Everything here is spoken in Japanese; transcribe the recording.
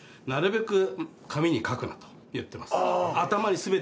なるべく紙に書くなと言ってます。